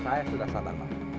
saya sudah sabar pak